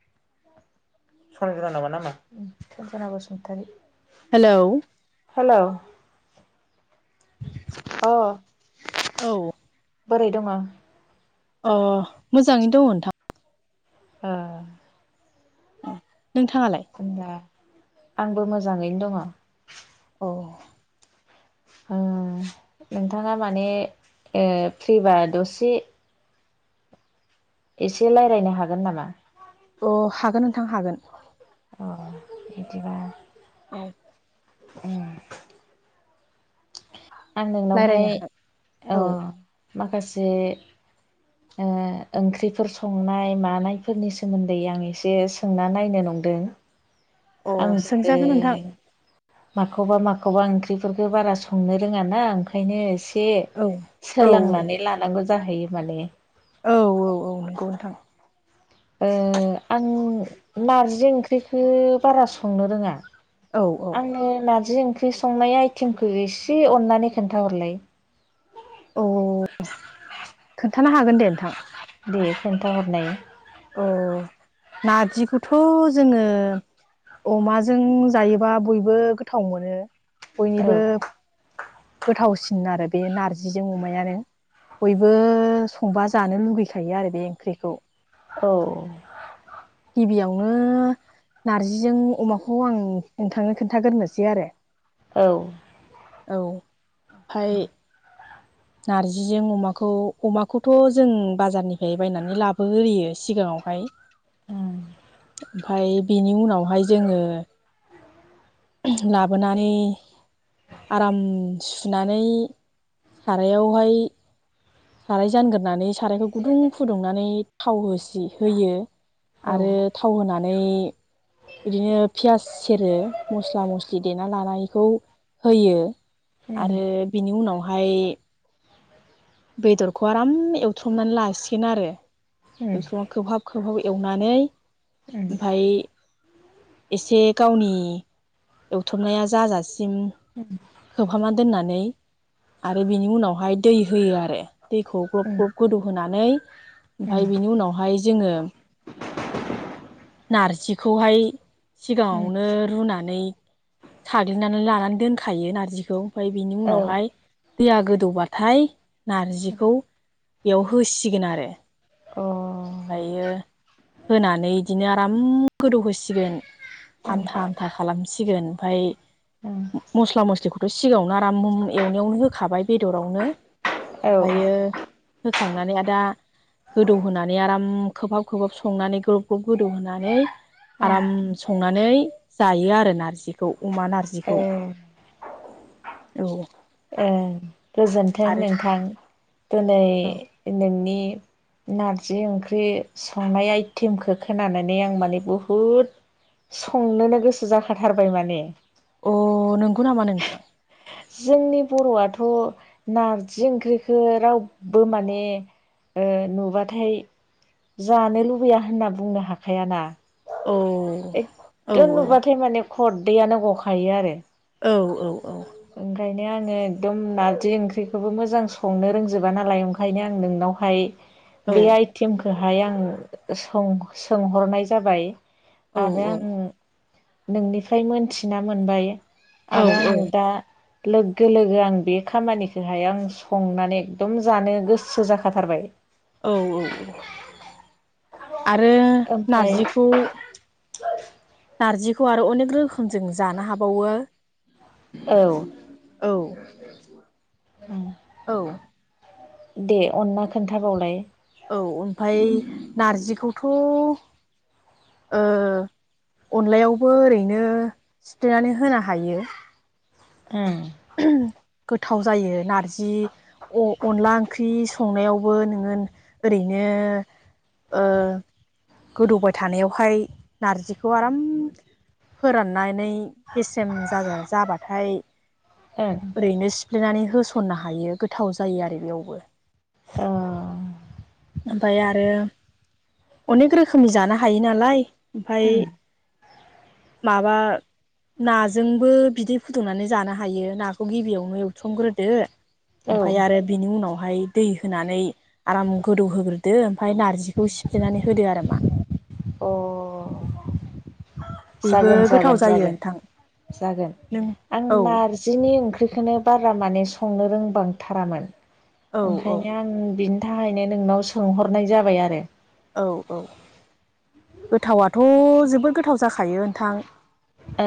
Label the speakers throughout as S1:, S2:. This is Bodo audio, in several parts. S1: [inaudible] सनजना नामा नामा उम सनजना बसुमतारि
S2: हेलौ, [inaudible]
S1: अ
S2: औ
S1: बोरै दङ
S2: अ मोजाङैनो दङ नोंथां
S1: आ
S2: नोंथाङालाय?
S1: होनबा आंबो मोजाङैनो दङ।
S2: अ
S1: ओं नोंथाङा माने ओ फ्रिबा दसे एसे लायरायनो हागोन नामा?
S2: अ हागोन नोंथां हागोन।
S1: अह बिदिबा
S2: [unintelligible]
S1: [unintelligible] आं नोंनावहाय
S2: रायज्लायनो हागोन
S1: अ
S2: औ
S1: माखासे ओ ओंख्रिफोर संनाय मानायफोरनि सोमोन्दै आं एसे सोंना नायनो नायनो नं दों
S2: अ सोंजागोन नोंथां
S1: आंबो माखौबा माखौबा ओंख्रिफोरखौ बारा संनो रोङाना ओंखायनो ए से
S2: औ औ
S1: सोलोंनानै लानांगौ जाहैयो माने
S2: औ औ औ नोंगौ नोंथां
S1: ओ आं नारजि ओंख्रिखो बारा संनो रोङा
S2: औ औ
S1: आंनो नारजि ओं बि संनाय आइटेमखो एसे अननानै खोन्थाहरलाय [inaudible]
S2: थानो हागोन दे नोंथां
S1: दे खोन्थाहरनाय
S2: अह नारजिखौथ' जोङो अमाजों जायोबा बयबो गोथाव मोनो
S1: औ
S2: बयनिबो गोथावसिन आरो बे नारजिजों अमायानो बयबो संबा जानो लुगैखायो आरो बे ओंख्रिखौ
S1: औ
S2: गिबियावनो नारजिजों अमाखौ आं नोंथांनो खोन्थागोरसै आरो
S1: औ
S2: औ ओमफ्राय नार्जिजों अमाखौ अमाखौथ' जों बाजारनिफ्राय बायनानै लाबो होयो सिगांङाव फाय
S1: ओ
S2: ओमफ्राय बिनि उनावहाय जोंङो उमह लाबोनानै आराम सुनानै सारायावहाय साराय जानगोरोनानै सारायखौ गुदुं फुदुंनानै थाव होसि होयो
S1: औ
S2: आरो थाव होनानै बिदिनो पियास सेरो मस्ला मस्लि देना लानायखौ होयो। आरो बिनि उनावहाय बेदरखौ आराम एवथ्रमनानै लासिगोन आरो
S1: उम
S2: एवथ्रमना खोबहाब गोबाव एवनानै
S1: उम
S2: ओमफ्राय एसे गावनि एवथबनाया जाजासिम खोबहाबना दोननानै आरो बेनि उनावहाय दै होयो आरो दैखौ
S1: उम
S2: ग्लब ग्लब गोदौहोनानै
S1: उम
S2: ओमफ्राय बेनि उनावहाय जोंङो
S1: [inaudible]
S2: नारजिखौहाय
S1: उम
S2: सिगांङावनो रुनानै साग्लिनानै लानानै दोनखायो नारजिखौ ओमफ्राय बिनि
S1: औ
S2: उनावहाय दैया गोदौबाथाय नारजिखौ बेयाव होसिगोन आरो
S1: अ
S2: ओमफ्रायो होनानै इदिनो आराम गोदौ होसिगोन आमथा आमथा खालामसिगोन ओमफाय
S1: उम
S2: मस्ला मस्लिखौथ' सिगांङावनो आराम एवनायावनो होखाबाय बेदरावनो
S1: औ
S2: ओमफ्रायो होखांनानै आ दा गोदौहोनानै आराम खोबहाब खोबहाब संनानै ग्लब ग्लब गोदौहोनानै
S1: उम
S2: आराम संनानै जायो आरो नार्जिखौ अमा नार्जिखौ
S1: ए
S2: औ
S1: ओं गोजोन्थों
S2: आरो
S1: नोंथां दोनै
S2: औ
S1: नोंनि नारजि ओंख्रि संनाय आइटेमखौ खोनानानै आं माने बुहुद संनोनो गोसो जाखाथारबाय माने
S2: अ नंगौ नामा नोंथां?
S1: जोंनि बर'आथ' नारजि ओंख्रिखौ रावबो माने ओ नुबाथाय जानो लुबैया होनना बुंनो हाखायाना?
S2: औ औ
S1: एकदम नुबाथाय माने खदैयानो गखायो आरो
S2: औ औ
S1: ओंखायनो आर आंङो एकदम नारजि ओंख्रिखौबो मोजां संनो रोंजोबा नालाय ओंखायनो आं नोंनावहाय
S2: औ
S1: बे आइटेमखौहाय आं सों-सोंहरनाय जाबाय
S2: औ
S1: आरो उम नोंनिफ्राय मोनथिना मोनबाय
S2: औ
S1: आरो आंङो दा लोगो लोगो आं बे खामानिखौहाय आं संनानै एकदम जानो गोसो जाखाथारबाय
S2: औ औ आरो
S1: ओमफ्राय
S2: नारजिखौ नारजि खौ आरो अनेक रोखोम जों जानो हाबावो
S1: औ
S2: औ औ
S1: दे अनना खोन्थाबावलाय
S2: औ ओमफाय नारजिखौथ' ओ अनलायावबो ओरैनो सिफ्लेनानै होनो हायो
S1: उम
S2: गोथाव जायो नारजि अ-अनला ओंख्रि संनायावबो नोङो ओरैनो यो ओ गोदौबाय थानायावहाय नारजिखौ आराम फोराननानै गेसेम जा-जा-जाबाथाय
S1: ओं
S2: ओरैनो सिफ्लेनानै होसननो हायो गोथाव जायो आरो बेयावबो।
S1: अ
S2: ओमफाय आरो अनेक रोखोमनि जानो हायो नालाय ओमफाय माबा नाजोंबो बिदै फुदुंनानै जानो हायो नाखौ गिबियावनो एवथुमग्रोदो ओमफाय आरो बिनि उनावहाय दै होनानै आराम गोदौहोग्रोदो ओमफाय नारजिखौ सिफ्लेनानै होदो आरो मा।
S1: अ
S2: बेबो
S1: जागोन
S2: गोथाव
S1: जागोन
S2: जायो
S1: जागोन
S2: नोंथां
S1: जागोन
S2: नों
S1: आं
S2: औ
S1: नारजिनि ओं ख्रिखोनो बारा माने संनो रोंबांथारामोन
S2: औ औ
S1: ओंखायनो आं बिन थाहैनो नोंनाव सोंहरनाय जाबाय आरो
S2: औ औ गोथावथ' जोबोद गोथाव जाखायो नोंथां।
S1: ओ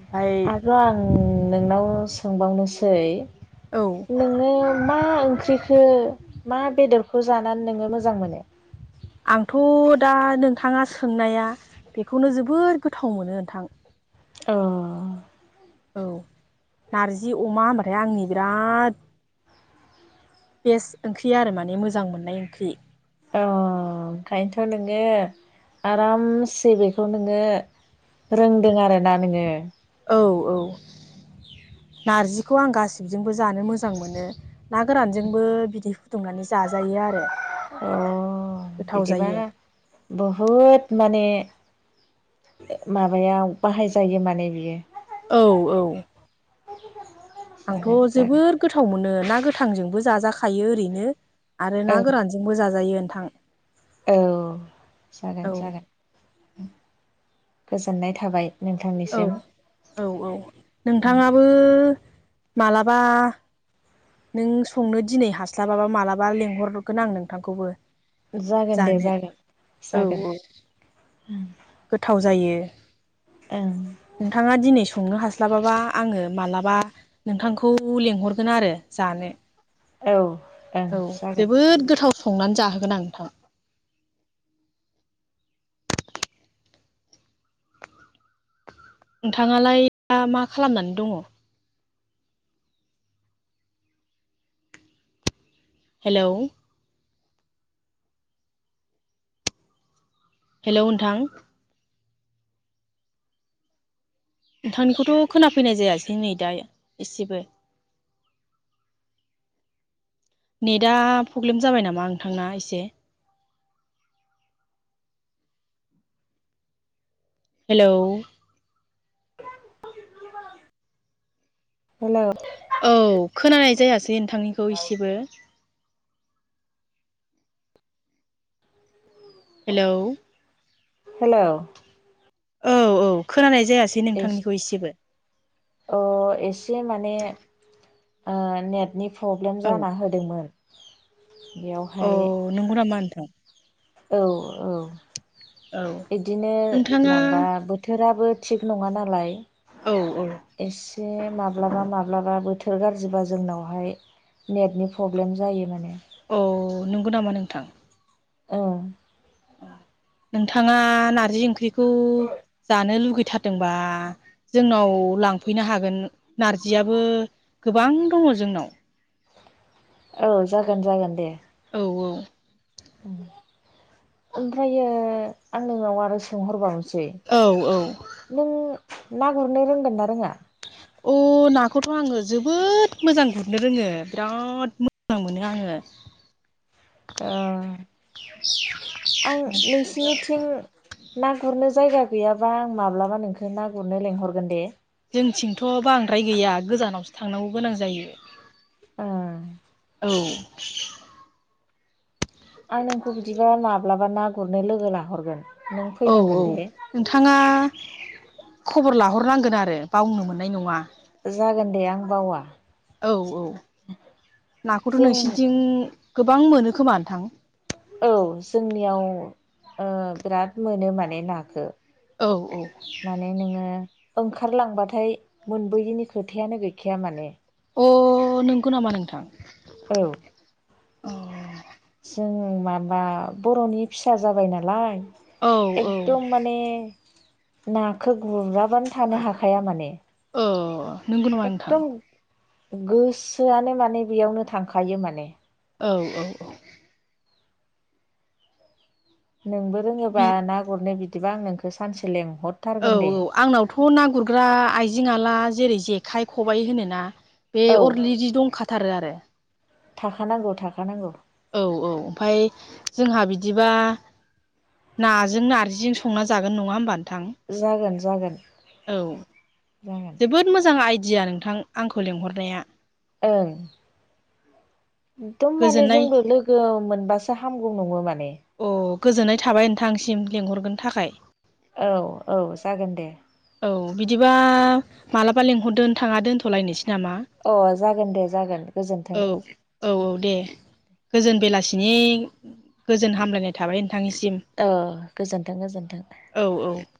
S2: ओमफाय
S1: आरो आं ओ नोंनाव सोंबावनोसै
S2: औ
S1: नोङो मा ओंख्रिखो मा बेदरखौ जानानै नोङो मोजां मोनो?
S2: आंथ' दा नोंथाङा सोंनाया बेखौनो जबोर गोथाव मोनो नोंथां।
S1: अ
S2: औ नारजि अमा होनबाथाय आंनि बिराद बेस्ट ओंख्रि आरो माने मोजां मोननाय ओंख्रि
S1: अ ओंखायनोथ' नोङो आरामसे बेखौ नोङो रोंदों आरोना नोङो?
S2: औ औ नारजिखौ आं गासिबजोंबो जानो मोजां मोनो। ना गोरानजोंबो बिदै फुदुंनानै जाजायो आरो।
S1: अ
S2: गोथाव
S1: बिदिबा
S2: जायो
S1: बहुत म माबायाव बाहाय जायो माने बियो
S2: औ औ आंथ'
S1: जागोन जागोन
S2: जोबोद गोथाव मोनो ना गोथांजोंबो जाजाखायो ओरैनो आरो
S1: औ
S2: ना गोरानजोंबो जाजायो नोंथां।
S1: औ जागोन
S2: औ
S1: जागोन।
S2: औ
S1: नोंथांनिसिम
S2: औ औ नोंथाङाबो मालाबा नों संनो दिनै हास्लाबाबा मालाबा लेंहरगोन आं नोंथांखौबो
S1: जागोन दे
S2: जानो
S1: जागोन
S2: औ
S1: जागोन
S2: औ गोथाव जायो।
S1: ओं
S2: नोंथाङा दिनै स संनो हास्लाबाबा आङो मालाबा नोंथांखौ लेंंहरगोन आरो जानो।
S1: औ ओं
S2: औ
S1: जागोन
S2: जोबोद गोथाव संनानै जाहोगोन आं नोंथां। नोंथाङालाय दा मा खालामनानै दङ? हेलौ हेलौ नोंथां? नोंथांनिखौथ' खोनाफैनाय जायासै नै दा एसेबो। नेटआ प्रब्लेम जाबाय नामा नोंथांना एसे? हेलौ
S1: हेलौ
S2: दोंथांनिखौ इसेबो हेलौ
S1: हेलौ
S2: औ औ खोनानाय जायासै नोंथांनिखौ एसेबो
S1: अ एसे माने ओ नेटनि प्रब्लेम
S2: औ
S1: जाना होदोंमोन।
S2: अ
S1: बेयावहाय
S2: नंगौनामा नोंथां?
S1: औ औ
S2: औ
S1: इदिनो माबा
S2: नोंथाङा
S1: बोथोराबो थिग नङा नालाय।
S2: औ औ
S1: बे माब्लाबा माब्लाबा बोथोर गाज्रिबा जोंनावहाय नेटनि प्रब्लेम जायो माने।
S2: औ नंगौ नामा नोंथां?
S1: ओ
S2: औ नोंथाङा नार्जि ओंख्रिखौ जानो लुगैथारदोंबा जोंनाव लांफैनो हागोन नारजियाबो गोबां दङ जोंनाव।
S1: औ जागोन जागोन दे।
S2: [unintelligible]
S1: ओमफ्रायो आंनिआव आरो सोंहरबाव सै
S2: औ
S1: नों ना गुरनो रोंगोन ना रोङा?
S2: अ नाखौथ' आङो जोबोद मोजां गुरनो रोङो बिराद मोजां मोनो आङो।
S1: ओ आं नोंसिनिथिं ना गुरनो जायगा गैयाबा आं माब्लाबा नोंखौ ना गुरनो लिंहरगोन दे?
S2: जोंथिंथ' बांद्राय गैया गोजानावसो थांनांगौ गोनां जायो।
S1: ओ
S2: औ
S1: आं नोंखौ बिदिबा माब्लाबा ना गुरनो लोगो लाहरगोन। नों
S2: औ
S1: फैनांगोन
S2: औ
S1: दे
S2: नोंथाङा? खबर लाहरनांगोन आरो बावनो मोननाय नङा।
S1: जागोन दे आं बावा।
S2: औ औ नाखौथ'
S1: जों
S2: नोंसिनिथिं गोबां मोनो खोमा नोंथां?
S1: औ जोंनियाव ओ बिराद मोनो माने नाखो।
S2: औ औ
S1: माने नोङो ओंखारलांबाथाय मोनबोयैनि खोथायानो गैखाया माने
S2: अ नंगौ नामा नोंथां?
S1: औ
S2: अ
S1: जों माबा बर'नि फिसा जाबाय नालाय।
S2: औ औ
S1: एकदम माने नाखो गुराबानो थानो हाखाया माने।
S2: अ नंगौ नङा नोंथां?
S1: एकदम गोसोआनो माने बेयावनो थांखायो माने।
S2: औ औ औ
S1: नोंबो रोङोबा
S2: बि
S1: ना गुरनो बिदिबा आं नोंखौ सानसे लें
S2: औ औ आंनावथ' ना गुरग्रा आइजेंआला जेरै जेखाइ खबाइ होनोना? बे
S1: औ
S2: अरलि जि दंखाथारो आरो।
S1: थाखानांगौ थाखानांगौ।
S2: औ औ ओमफाय जोंहा बिदिबा नाजों नारजिजों संना जागोन नङा होमबा? थां।
S1: जागोन जागोन
S2: औ
S1: जागोन
S2: जोबोद मोजां आय दिया नोंथां आंखौ लेंहरनाया ।
S1: ओं। एकदम माने
S2: गोजोननाय
S1: जोंबो लो गो मोनबासो हामगौ नङोमोन।
S2: अह गोजोननाय थाबाय नोंथांसिम लेंंहरगोन थाखाय।
S1: औ औ जागोन दे
S2: औ बिदिबा मालाबा लेंहददो नोंथाङा दोन्थ'लायनोसै नामा?
S1: अ जागोन दे जागोन गोजोन्थों
S2: औ औ औ दे । गोजोन बेलासिनि गोजोन हामलायनाय थाबाय नों थांनिसिम।
S1: औ गोजोन्थों गोजोन्थों
S2: औ औ ।